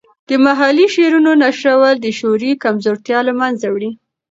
د محلي شعرونو نشرول د شعوري کمزورتیا له منځه وړي.